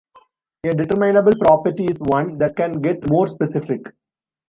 A determinable property is one that can get more specific.